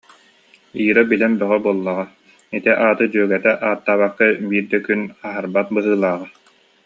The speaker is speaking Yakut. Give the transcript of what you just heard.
Ира билэн бөҕө буоллаҕа, ити ааты дьүөгэтэ ааттаабакка биир да күн аһарбат быһыылааҕа